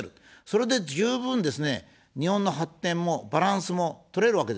それで十分ですね、日本の発展もバランスも取れるわけですから。